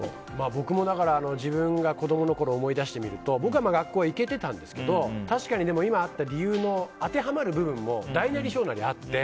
僕も自分が子供のころを思い出してみると僕は学校は行けてたんですけど確かに今あった理由も当てはまる部分も大なり小なりあって。